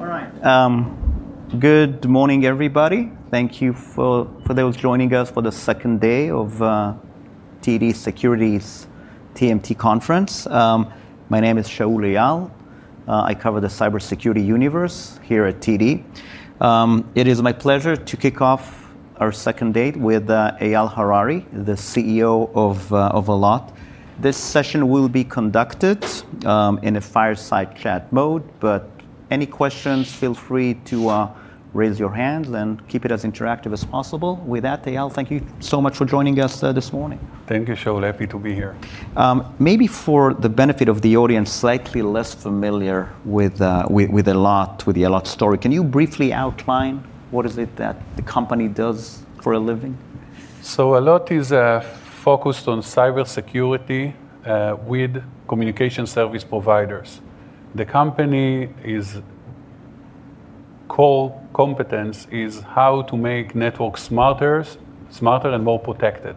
All right. Good morning, everybody. Thank you for those joining us for the second day of TD Securities TMT Conference. My name is Shaul Eyal. I cover the cybersecurity universe here at TD. It is my pleasure to kick off our second day with Eyal Harari, the CEO of Allot. This session will be conducted in a fireside chat mode. Any questions, feel free to raise your hand and keep it as interactive as possible. With that, Eyal, thank you so much for joining us this morning. Thank you, Shaul. Happy to be here. Maybe for the benefit of the audience slightly less familiar with Allot, with the Allot story, can you briefly outline what is it that the company does for a living? Allot is focused on cybersecurity, with communication service providers. The company's core competence is how to make networks smarter and more protected.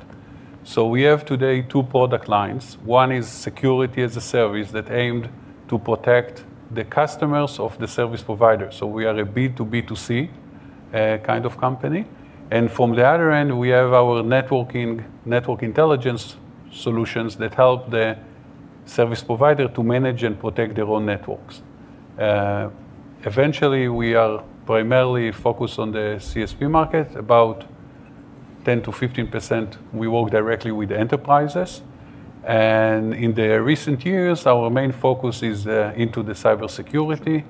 We have today two product lines. One is security as a service that aimed to protect the customers of the service provider. We are a B2B2C, kind of company. From the other end, we have our network intelligence solutions that help the service provider to manage and protect their own networks. Eventually, we are primarily focused on the CSP market. About 10%-15%, we work directly with enterprises. In the recent years, our main focus is into the cybersecurity,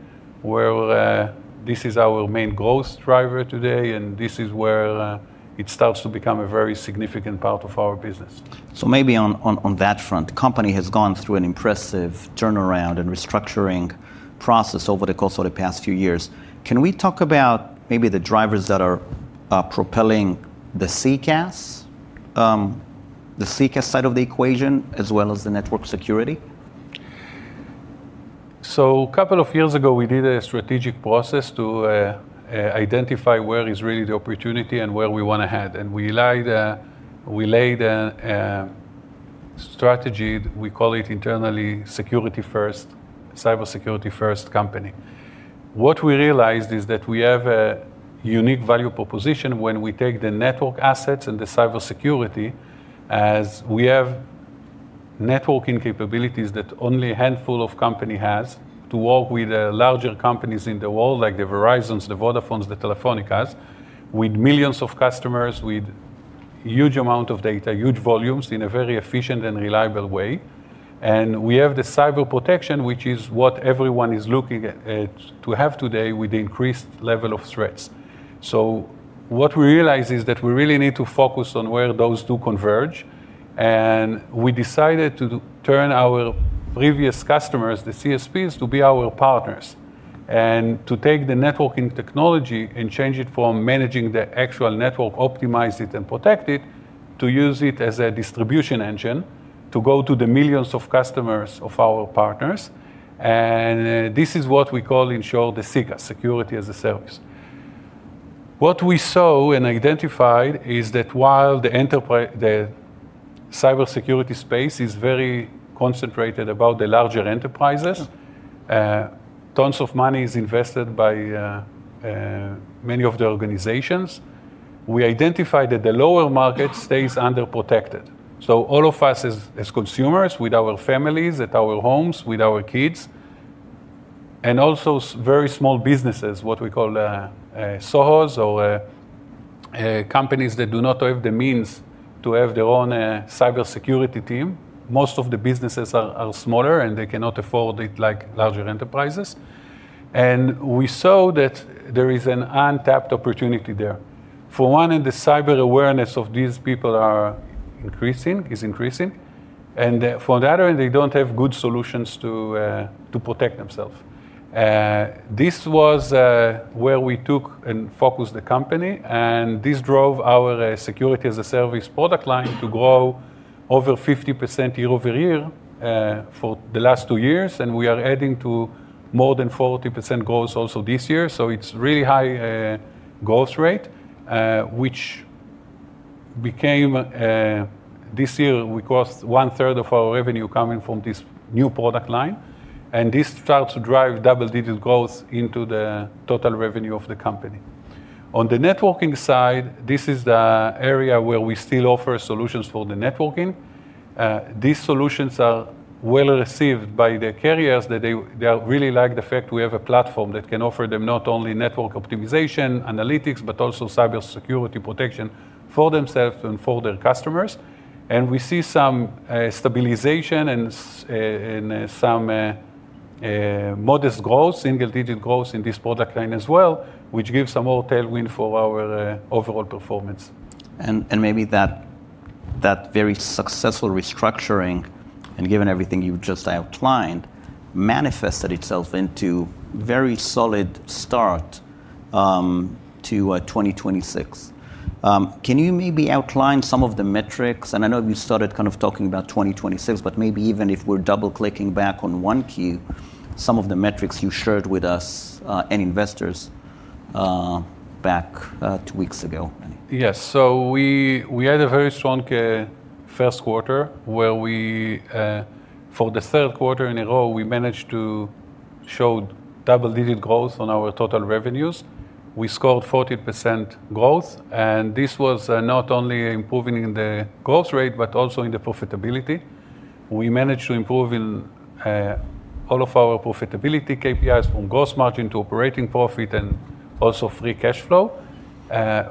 where this is our main growth driver today, and this is where it starts to become a very significant part of our business. Maybe on that front, the company has gone through an impressive turnaround and restructuring process over the course of the past few years. Can we talk about maybe the drivers that are propelling the SECaaS side of the equation as well as the network security? Couple of years ago, we did a strategic process to identify where is really the opportunity and where we want to head. We laid a strategy, we call it internally security first, cybersecurity first company. What we realized is that we have a unique value proposition when we take the network assets and the cybersecurity, as we have networking capabilities that only a handful of company has to work with larger companies in the world, like the Verizons, the Vodafones, the Telefónicas, with millions of customers, with huge amount of data, huge volumes, in a very efficient and reliable way. We have the cyber protection, which is what everyone is looking to have today with increased level of threats. What we realized is that we really need to focus on where those two converge. We decided to turn our previous customers, the CSPs, to be our partners. To take the networking technology and change it from managing the actual network, optimize it and protect it, to use it as a distribution engine to go to the millions of customers of our partners. This is what we call in short the SECaaS, security as a service. What we saw and identified is that while the cybersecurity space is very concentrated about the larger enterprises- Sure. -tons of money is invested by many of the organizations. We identified that the lower market stays underprotected. All of us as consumers, with our families, at our homes, with our kids, and also very small businesses, what we call SOHOs or companies that do not have the means to have their own cybersecurity team. Most of the businesses are smaller, and they cannot afford it like larger enterprises. We saw that there is an untapped opportunity there. For one, in the cyber awareness of these people is increasing. For the other, they don't have good solutions to protect themselves. This was where we took and focused the company, and this drove our security as a service product line to grow over 50% year-over-year for the last two years. We are adding to more than 40% growth also this year. It's really high growth rate, which became, this year, we crossed 1/3 of our revenue coming from this new product line. This starts to drive double-digit growth into the total revenue of the company. On the networking side, this is the area where we still offer solutions for the networking. These solutions are well-received by the carriers. They really like the fact we have a platform that can offer them not only network optimization, analytics, but also cybersecurity protection for themselves and for their customers. We see some stabilization and some modest growth, single-digit growth in this product line as well, which gives some more tailwind for our overall performance. Maybe that very successful restructuring, and given everything you've just outlined, manifested itself into very solid start to 2026. Can you maybe outline some of the metrics? I know you started kind of talking about 2026, but maybe even if we're double-clicking back on OneQ, some of the metrics you shared with us and investors back two weeks ago. Yes. We had a very strong first quarter where, for the third quarter in a row, we managed to show double-digit growth on our total revenues. We scored 40% growth, and this was not only improving in the growth rate, but also in the profitability. We managed to improve in all of our profitability KPIs, from gross margin to operating profit and also free cash flow,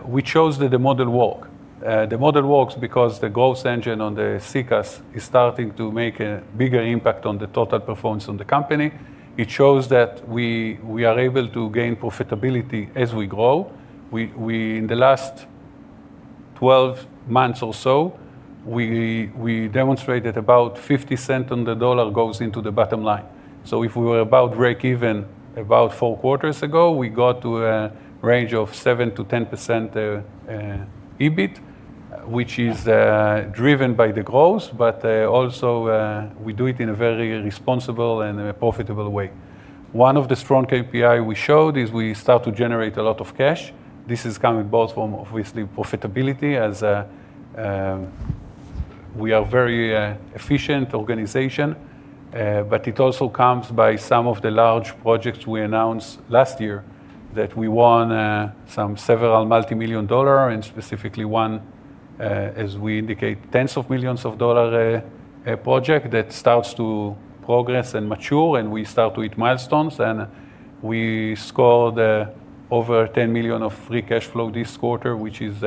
which shows that the model work. The model works because the growth engine on the SECaaS is starting to make a bigger impact on the total performance on the company. It shows that we are able to gain profitability as we grow. In the last 12 months or so, we demonstrated about $0.50 on the dollar goes into the bottom line. If we were about breakeven about four quarters ago, we got to a range of 7%-10% EBIT, which is driven by the growth, but also, we do it in a very responsible and profitable way. One of the strong KPI we showed is we start to generate a lot of cash. This is coming both from, obviously, profitability, as we are very efficient organization. It also comes by some of the large projects we announced last year that we won some several multimillion-dollar, and specifically one, as we indicate, tens of millions of dollar project that starts to progress and mature, and we start to hit milestones. We scored over $10 million of free cash flow this quarter, which is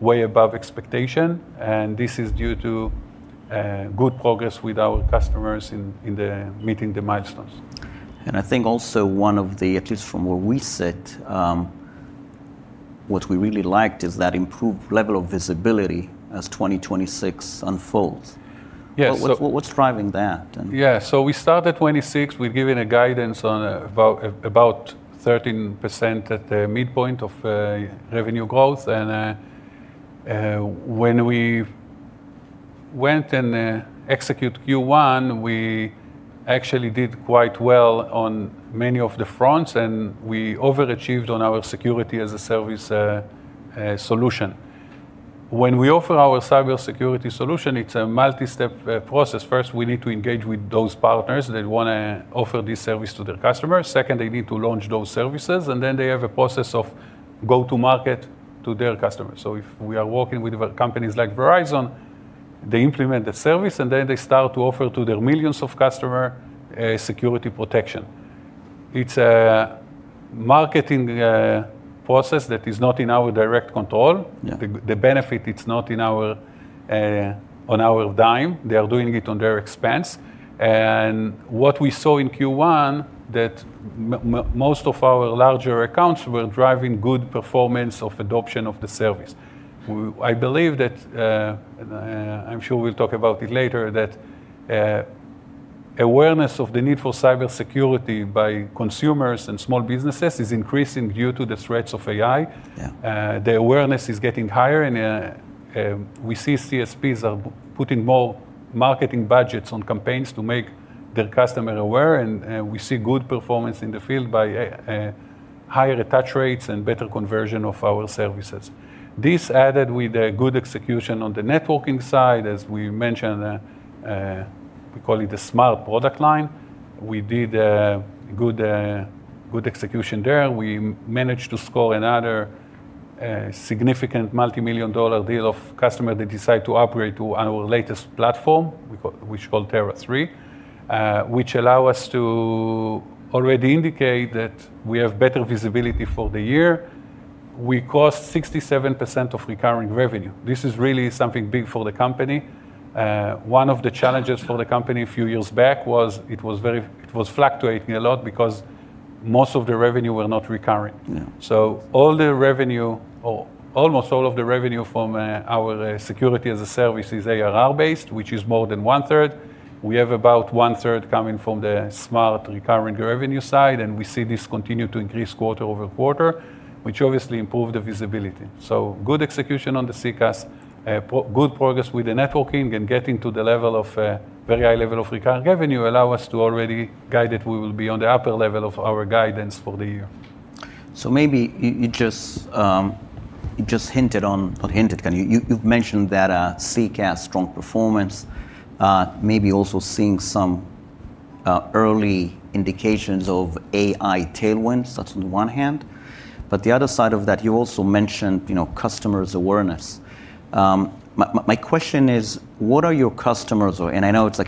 way above expectation. This is due to good progress with our customers in meeting the milestones. I think also one of the, at least from where we sit, what we really liked is that improved level of visibility as 2026 unfolds. Yes. What's driving that? We start at 2026. We've given a guidance on about 13% at the midpoint of revenue growth. When we went and execute Q1, we actually did quite well on many of the fronts, and we overachieved on our Security as a Service solution. When we offer our cybersecurity solution, it's a multi-step process. First, we need to engage with those partners that want to offer this service to their customers. Second, they need to launch those services, and then they have a process of go to market to their customers. If we are working with companies like Verizon, they implement the service, and then they start to offer to their millions of customer security protection. It's a marketing process that is not in our direct control. Yeah. The benefit, it's not on our dime. They are doing it on their expense. What we saw in Q1, that most of our larger accounts were driving good performance of adoption of the service. I believe that, I'm sure we'll talk about it later, that awareness of the need for cybersecurity by consumers and small businesses is increasing due to the threats of AI. Yeah. The awareness is getting higher, and we see CSPs are putting more marketing budgets on campaigns to make their customer aware, and we see good performance in the field by higher attach rates and better conversion of our services. This added with a good execution on the networking side, as we mentioned, we call it the Smart product line. We did good execution there. We managed to score another significant multimillion-dollar deal of customer that decide to upgrade to our latest platform, which called Tera III, which allow us to already indicate that we have better visibility for the year. We crossed 67% of recurring revenue. This is really something big for the company. One of the challenges for the company a few years back was it was fluctuating a lot because most of the revenue were not recurring. Yeah. All the revenue, or almost all of the revenue from our security as a service is ARR-based, which is more than one-third. We have about one-third coming from the Smart recurring revenue side, and we see this continue to increase quarter-over-quarter, which obviously improve the visibility. Good execution on the SECaaS, good progress with the networking and getting to the very high level of recurring revenue allow us to already guide that we will be on the upper level of our guidance for the year. You've mentioned that SECaaS strong performance, maybe also seeing some early indications of AI tailwinds. That's on the one hand. The other side of that, you also mentioned customers' awareness. My question is, what are your customers, and I know it's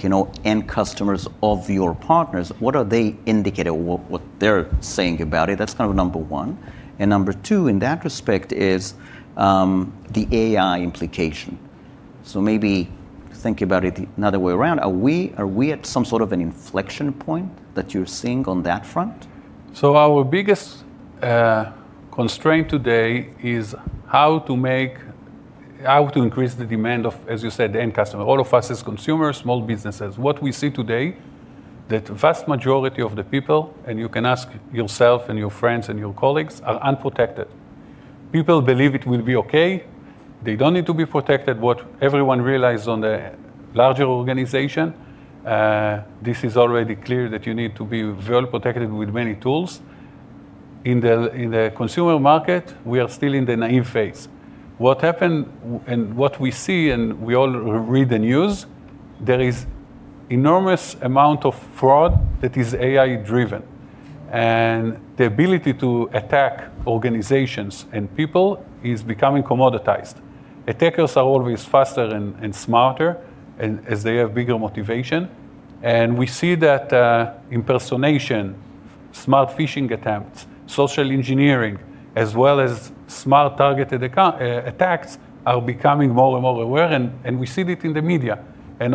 end customers of your partners, what are they indicating what they're saying about it? That's kind of number one. Number two, in that respect, is the AI implication. Maybe think about it another way around. Are we at some sort of an inflection point that you're seeing on that front? Our biggest constraint today is how to increase the demand of, as you said, the end customer, all of us as consumers, small businesses. What we see today, that vast majority of the people, and you can ask yourself and your friends and your colleagues, are unprotected. People believe it will be okay. They don't need to be protected. What everyone realized on the larger organization, this is already clear that you need to be well-protected with many tools. In the consumer market, we are still in the naive phase. What happened and what we see, and we all read the news, there is enormous amount of fraud that is AI-driven, and the ability to attack organizations and people is becoming commoditized. Attackers are always faster and smarter as they have bigger motivation. We see that impersonation, smart phishing attempts, social engineering, as well as smart targeted attacks are becoming more and more aware, and we see it in the media.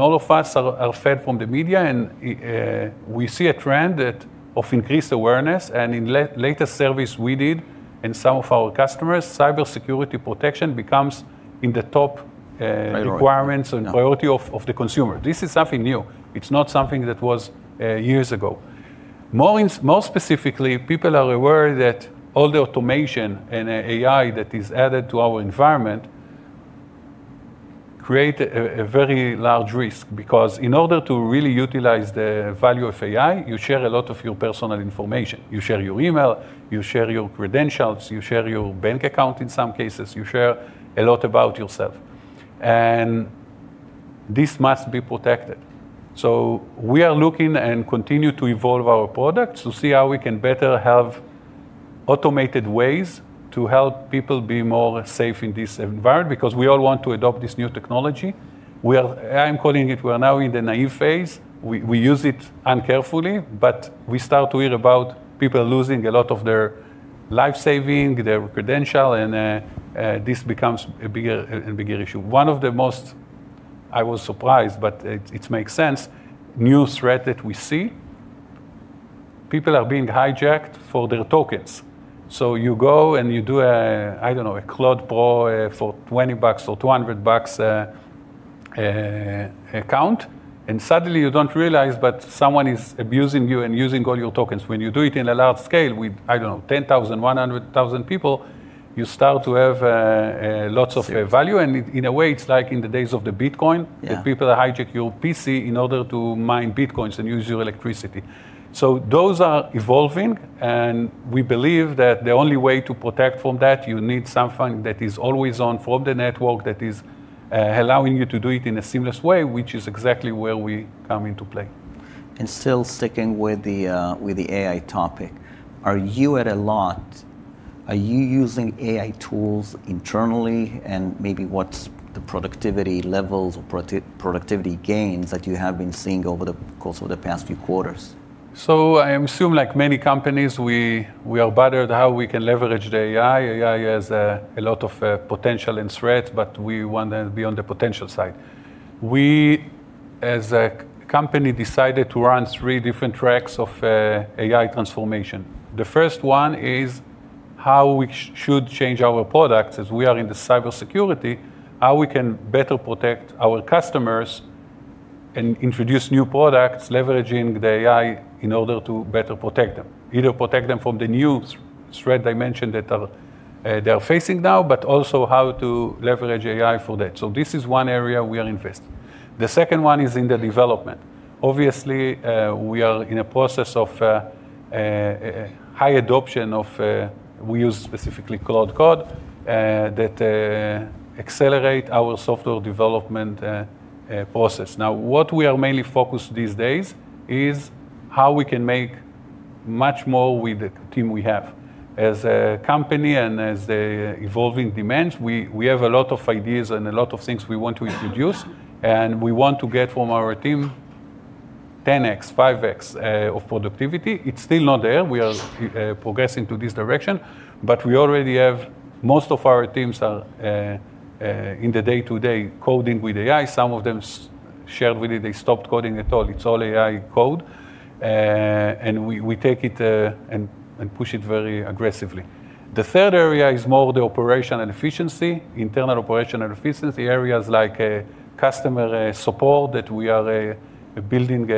All of us are fed from the media, and we see a trend of increased awareness. In latest service we did in some of our customers, cybersecurity protection becomes in the top- Priority. -requirements and priority of the consumer. This is something new. It's not something that was years ago. More specifically, people are aware that all the automation and AI that is added to our environment create a very large risk, because in order to really utilize the value of AI, you share a lot of your personal information. You share your email, you share your credentials, you share your bank account in some cases. You share a lot about yourself, and this must be protected. We are looking and continue to evolve our products to see how we can better have automated ways to help people be more safe in this environment, because we all want to adopt this new technology. I am calling it, we are now in the naive phase. We use it uncarefully, but we start to hear about people losing a lot of their life savings, their credentials, and this becomes a bigger and bigger issue. One of the most, I was surprised, but it makes sense, new threat that we see, people are being hijacked for their tokens. You go and you do a, I don't know, a Claude Pro for $20 or $200 account, and suddenly you don't realize, but someone is abusing you and using all your tokens. When you do it in a large scale with, I don't know, 10,000, 100,000 people, you start to have a lot of value. In a way, it's like in the days of the Bitcoin- Yeah. -that people hijack your PC in order to mine Bitcoin and use your electricity. Those are evolving, and we believe that the only way to protect from that, you need something that is always on from the network that is allowing you to do it in a seamless way, which is exactly where we come into play. Still sticking with the AI topic, are you at Allot, are you using AI tools internally? Maybe what's the productivity levels or productivity gains that you have been seeing over the course of the past few quarters? I assume, like many companies, we are bothered how we can leverage the AI. AI has a lot of potential and threat, we want to be on the potential side. We, as a company, decided to run three different tracks of AI transformation. The first one is how we should change our products, as we are into cybersecurity, how we can better protect our customers and introduce new products, leveraging the AI in order to better protect them. Either protect them from the new threat I mentioned that they are facing now, also how to leverage AI for that. This is one area we are investing. The second one is in the development. Obviously, we are in a process of high adoption, we use specifically Claude Code, that accelerate our software development process. What we are mainly focused these days is how we can make much more with the team we have. As a company and as evolving demands, we have a lot of ideas and a lot of things we want to introduce, and we want to get from our team 10x, 5x of productivity. It's still not there. We are progressing to this direction, but we already have most of our teams are in the day-to-day coding with AI. Some of them shared with me they stopped coding at all. It's all AI code. We take it and push it very aggressively. The third area is more the operation and efficiency, internal operation and efficiency. Areas like customer support, that we are building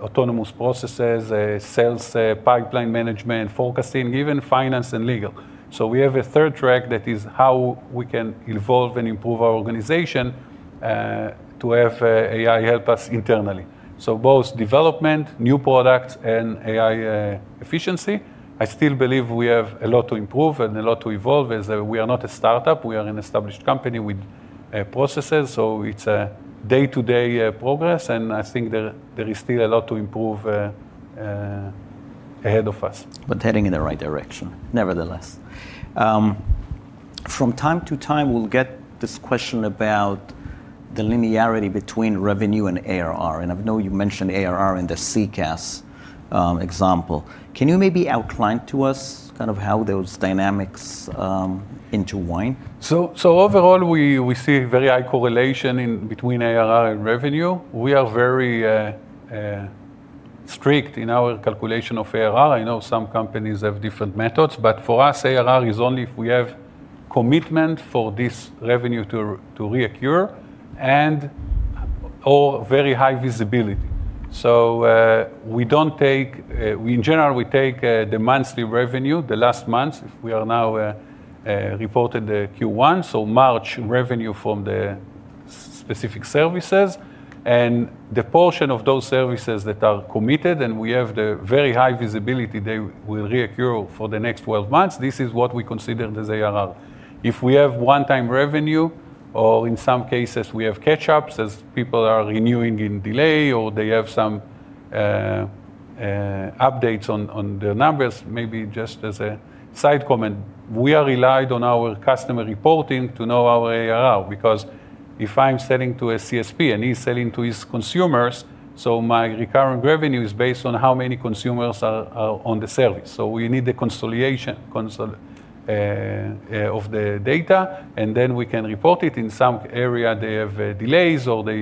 autonomous processes, sales pipeline management, forecasting, even finance and legal. We have a third track that is how we can evolve and improve our organization, to have AI help us internally. Both development, new products, and AI efficiency, I still believe we have a lot to improve and a lot to evolve, as we are not a startup. We are an established company with processes, so it's a day-to-day progress, and I think there is still a lot to improve ahead of us. Heading in the right direction, nevertheless. From time to time, we'll get this question about the linearity between revenue and ARR, and I know you mentioned ARR in the SECaaS example. Can you maybe outline to us how those dynamics intertwine? Overall, we see very high correlation between ARR and revenue. We are very strict in our calculation of ARR. I know some companies have different methods, but for us, ARR is only if we have commitment for this revenue to reoccur, and/or very high visibility. In general, we take the monthly revenue, the last month, if we are now, reported the Q1, March revenue from the specific services, and the portion of those services that are committed, and we have the very high visibility they will reoccur for the next 12 months, this is what we consider as ARR. If we have one-time revenue or, in some cases, we have catch-ups as people are renewing in delay, or they have some updates on the numbers, maybe just as a side comment, we are relied on our customer reporting to know our ARR. If I'm selling to a CSP, and he's selling to his consumers, my recurring revenue is based on how many consumers are on the service. We need the consolidation of the data, and then we can report it. In some area, they have delays, or they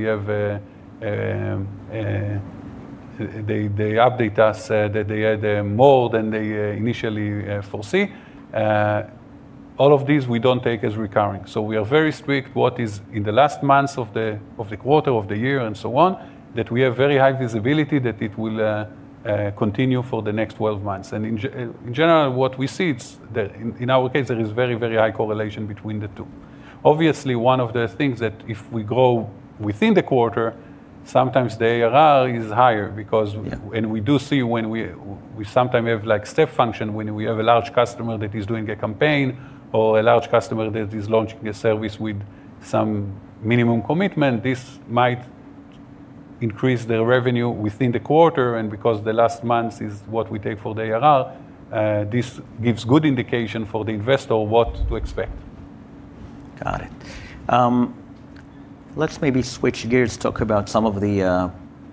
update us that they had more than they initially foresee. All of these, we don't take as recurring. We are very strict what is in the last months of the quarter, of the year, and so on, that we have very high visibility that it will continue for the next 12 months. In general, what we see is that in our case, there is very high correlation between the two. Obviously, one of the things that if we grow within the quarter, sometimes the ARR is higher. Yeah. We do see when we sometimes have step function when we have a large customer that is doing a campaign or a large customer that is launching a service with some minimum commitment. This might increase their revenue within the quarter. Because the last month is what we take for the ARR, this gives good indication for the investor what to expect. Got it. Let's maybe switch gears, talk about some of the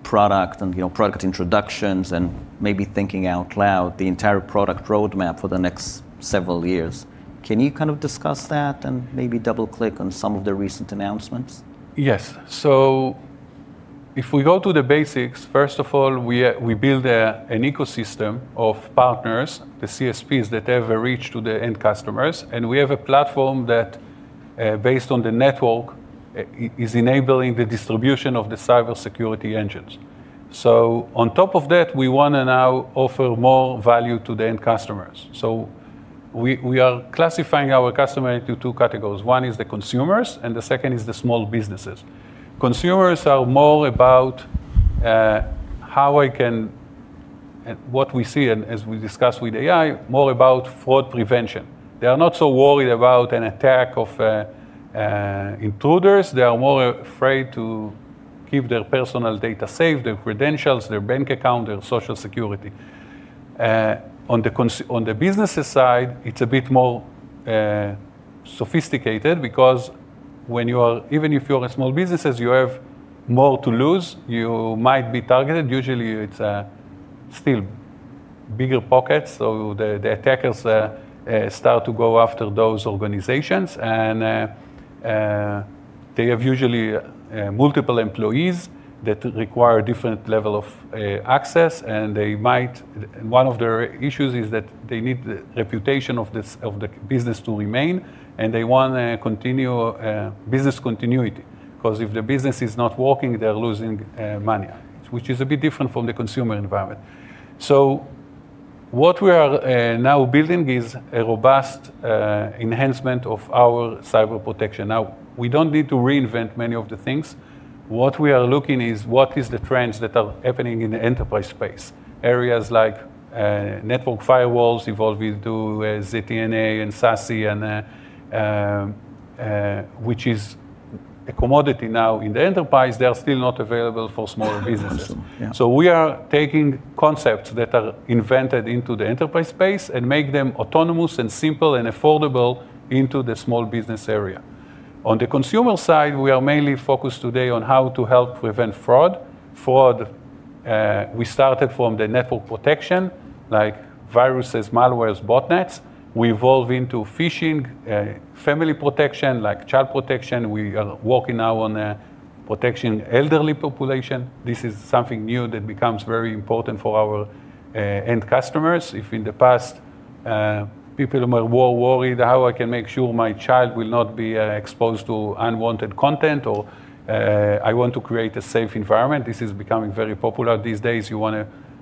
product and product introductions, and maybe thinking out loud, the entire product roadmap for the next several years. Can you discuss that and maybe double-click on some of the recent announcements? If we go to the basics, first of all, we build an ecosystem of partners, the CSPs that have a reach to the end customers, and we have a platform that, based on the network, is enabling the distribution of the cybersecurity engines. On top of that, we want to now offer more value to the end customers. We are classifying our customer into two categories. One is the consumers, and the second is the small businesses. Consumers are more about, what we see and as we discuss with AI, more about fraud prevention. They are not so worried about an attack of intruders. They are more afraid to keep their personal data safe, their credentials, their bank account, their social security. On the businesses side, it's a bit more sophisticated because even if you're a small businesses, you have more to lose. You might be targeted. Usually, it's still bigger pockets, so the attackers start to go after those organizations, and they have usually multiple employees that require different level of access, and one of their issues is that they need the reputation of the business to remain, and they want business continuity. Because if the business is not working, they're losing money, which is a bit different from the consumer environment. What we are now building is a robust enhancement of our cyber protection. Now, we don't need to reinvent many of the things. What we are looking is what is the trends that are happening in the enterprise space. Areas like network firewalls evolve into ZTNA and SASE, which is a commodity now in the enterprise, they are still not available for small businesses. Awesome. Yeah. We are taking concepts that are invented into the enterprise space and make them autonomous and simple and affordable into the small business area. On the consumer side, we are mainly focused today on how to help prevent fraud. We started from the network protection, like viruses, malware, botnets. We evolve into phishing, family protection, like child protection. We are working now on protection elderly population. This is something new that becomes very important for our end customers. If in the past, people were worried how I can make sure my child will not be exposed to unwanted content or I want to create a safe environment, this is becoming very popular these days. You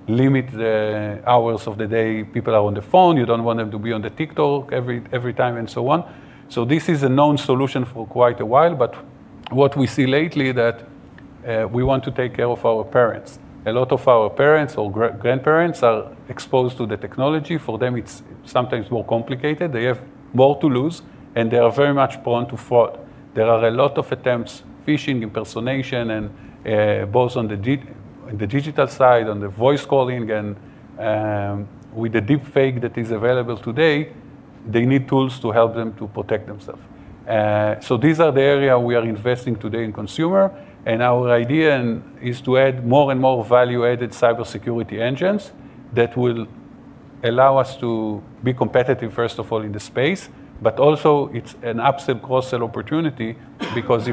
want to limit the hours of the day people are on the phone. You don't want them to be on the TikTok every time, and so on. This is a known solution for quite a while, but what we see lately that we want to take care of our parents. A lot of our parents or grandparents are exposed to the technology. For them, it's sometimes more complicated. They have more to lose, and they are very much prone to fraud. There are a lot of attempts, phishing, impersonation, and both on the digital side, on the voice calling, and with the deep fake that is available today, they need tools to help them to protect themselves. These are the area we are investing today in consumer, and our idea is to add more and more value-added cybersecurity engines that will allow us to be competitive, first of all, in the space. Also, it's an upsell, cross-sell opportunity because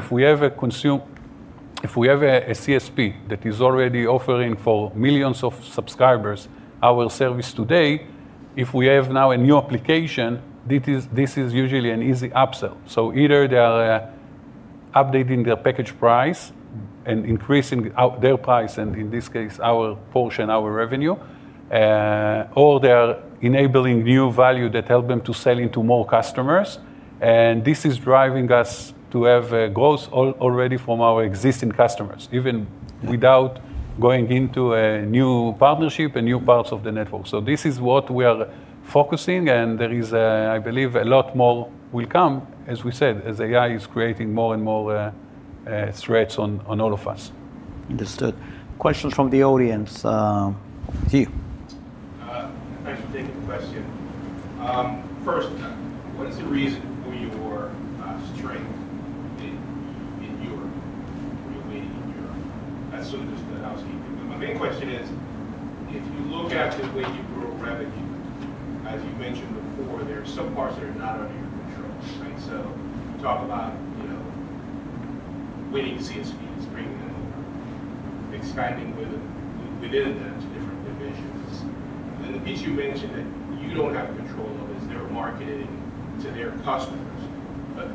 if we have a CSP that is already offering for millions of subscribers our service today. If we have now a new application, this is usually an easy upsell. Either they are updating their package price and increasing their price, and in this case, our portion, our revenue, or they are enabling new value that help them to sell into more customers. This is driving us to have growth already from our existing customers, even without going into a new partnership and new parts of the network. This is what we are focusing and there is, I believe, a lot more will come, as we said, as AI is creating more and more threats on all of us. Understood. Questions from the audience. You. Thanks for taking the question. First, what is the reason for your strength in Europe, your weight in Europe? As soon as the housekeeping. My main question is, if you look at the way you grow revenue, as you mentioned before, there are some parts that are not under your control, right? You talk about winning CSPs, bringing them, expanding within that to different divisions. The piece you mentioned that you don't have control of is their marketing to their customers.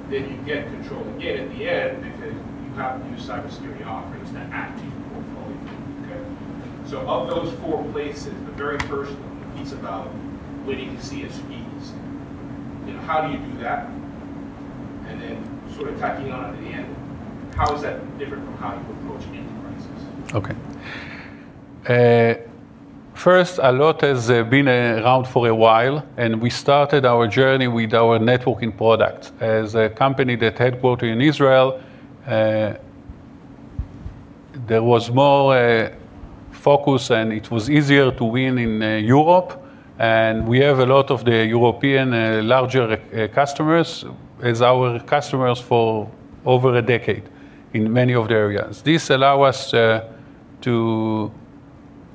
Then you get control again in the end because you have new cybersecurity offerings to add to your portfolio. Okay? Of those four places, the very first piece about winning the CSPs, how do you do that? Then sort of tacking on at the end, how is that different from how you approach enterprises? Okay. First, Allot has been around for a while. We started our journey with our networking product. As a company that headquartered in Israel, there was more focus, it was easier to win in Europe. We have a lot of the European larger customers as our customers for over a decade in many of the areas. This allows us to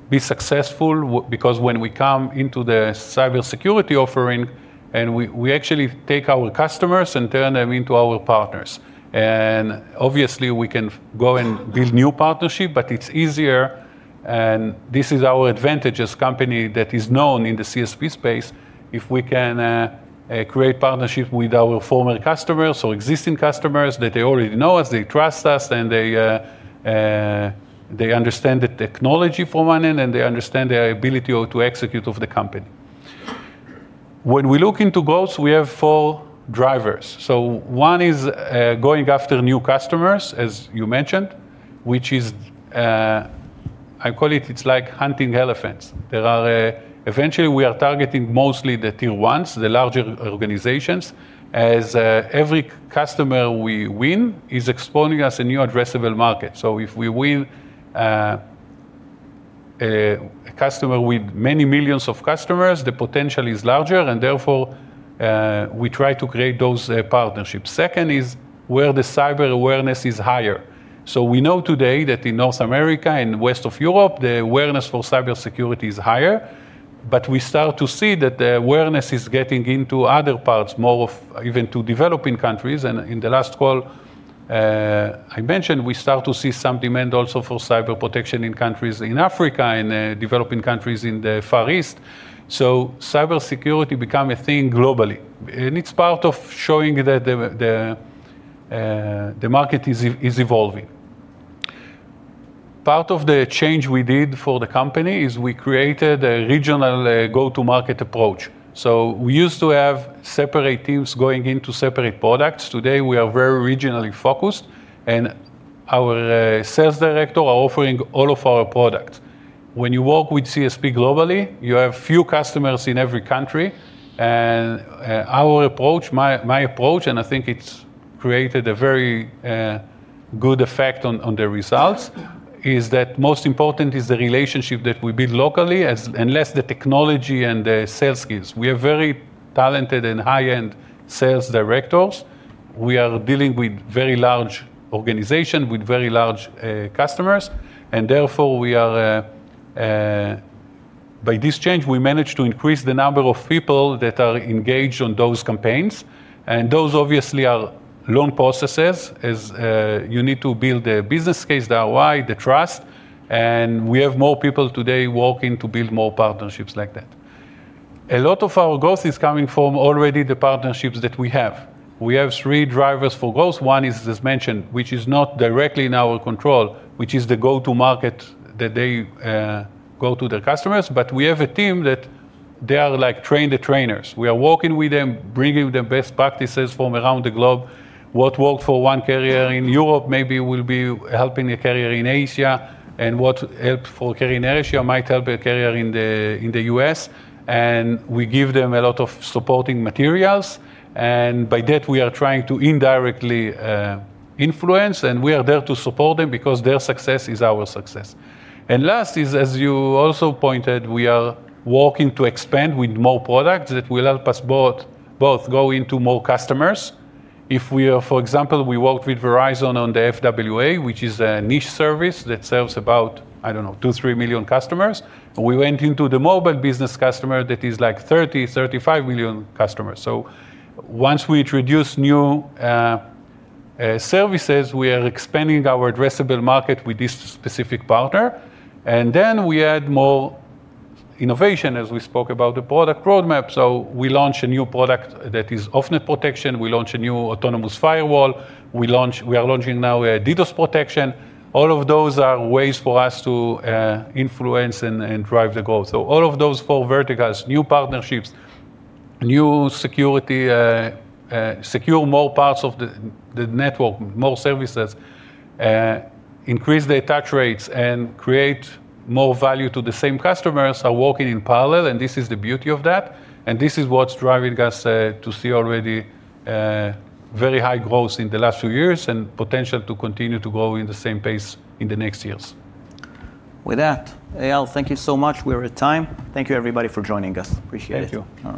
be successful because when we come into the cybersecurity offering, we actually take our customers and turn them into our partners. Obviously we can go and build new partnerships, it's easier, this is our advantage as company that is known in the CSP space, if we can create partnerships with our former customers or existing customers, that they already know us, they trust us, and they understand the technology for one hand, they understand the ability to execute of the company. We look into growth, we have four drivers. One is going after new customers, as you mentioned, which is, I call it's like hunting elephants. Eventually, we are targeting mostly the Tier 1s, the larger organizations, as every customer we win is exposing us a new addressable market. If we win a customer with many millions of customers, the potential is larger and therefore, we try to create those partnerships. Second is where the cyber awareness is higher. We know today that in North America and west of Europe, the awareness for cybersecurity is higher. We start to see that the awareness is getting into other parts, more of even to developing countries. In the last call, I mentioned we start to see some demand also for cyber protection in countries in Africa, in developing countries in the Far East. Cybersecurity become a thing globally, and it's part of showing that the market is evolving. Part of the change we did for the company is we created a regional go-to-market approach. We used to have separate teams going into separate products. Today, we are very regionally focused, and our sales director are offering all of our products. When you work with CSP globally, you have few customers in every country. Our approach, my approach, and I think it's created a very good effect on the results, is that most important is the relationship that we build locally and less the technology and the sales skills. We have very talented and high-end sales directors. We are dealing with very large organization, with very large customers, and therefore, by this change, we manage to increase the number of people that are engaged on those campaigns. Those obviously are long processes, as you need to build a business case, the ROI, the trust, and we have more people today working to build more partnerships like that. A lot of our growth is coming from already the partnerships that we have. We have three drivers for growth. One is as mentioned, which is not directly in our control, which is the go-to-market, that they go to their customers. We have a team that they are like train the trainers. We are working with them, bringing the best practices from around the globe. What work for one carrier in Europe maybe will be helping a carrier in Asia, and what help for a carrier in Asia might help a carrier in the U.S. We give them a lot of supporting materials, and by that, we are trying to indirectly influence, and we are there to support them because their success is our success. Last is, as you also pointed, we are working to expand with more products that will help us both go into more customers. If we are, for example, we worked with Verizon on the FWA, which is a niche service that serves about, I don't know, two, three million customers. We went into the mobile business customer that is like 30 million, 35 million customers. Once we introduce new services, we are expanding our addressable market with this specific partner, and then we add more innovation, as we spoke about the product roadmap. We launch a new product that is off-net protection. We launch a new autonomous firewall. We are launching now a DDoS protection. All of those are ways for us to influence and drive the growth. All of those four verticals, new partnerships, secure more parts of the network, more services, increase the attach rates, and create more value to the same customers are working in parallel, this is the beauty of that. This is what's driving us to see already very high growth in the last few years and potential to continue to grow in the same pace in the next years. With that, Eyal, thank you so much. We're at time. Thank you, everybody, for joining us. Appreciate it. Thank you. All right.